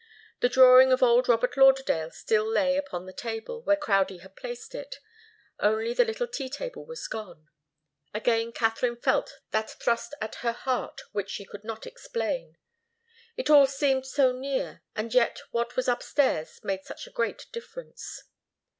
The drawing of old Robert Lauderdale still lay upon the table, where Crowdie had placed it; only the little tea table was gone. Again Katharine felt that thrust at her heart which she could not explain. It all seemed so near, and yet what was upstairs made such a great difference.